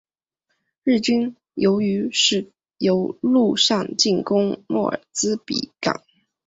日军于是改由陆上进攻莫尔兹比港。